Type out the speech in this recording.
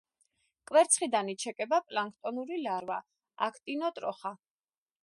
კვერცხიდან იჩეკება პლანქტონური ლარვა—აქტინოტროხა.